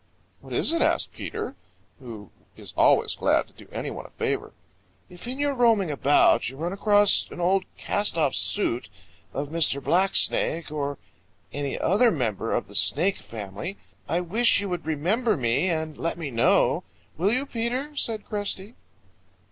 "What is it?" asked Peter, who is always glad to do any one a favor. "If in your roaming about you run across an old cast off suit of Mr. Black Snake, or of any other member of the Snake family, I wish you would remember me and let me know. Will you, Peter?" said Cresty.